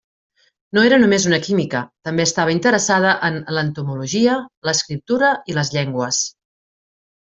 No era només una química; també estava interessada en l'entomologia, l'escriptura i les llengües.